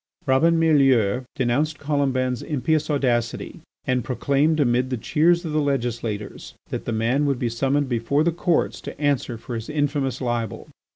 Robin Mielleux denounced Colomban's impious audacity and proclaimed amid the cheers of the legislators that the man would be summoned before the Courts to answer for his infamous libel.